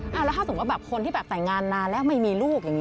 แล้วถ้าสมมุติแบบคนที่แบบแต่งงานนานแล้วไม่มีลูกอย่างนี้